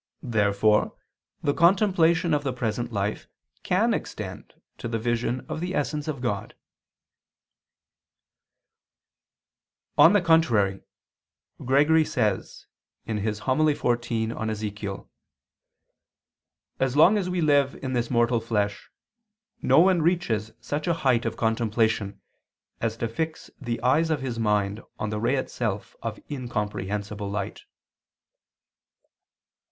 Therefore the contemplation of the present life can extend to the vision of the essence of God. On the contrary, Gregory says (Hom. xiv in Ezech.): "As long as we live in this mortal flesh, no one reaches such a height of contemplation as to fix the eyes of his mind on the ray itself of incomprehensible light."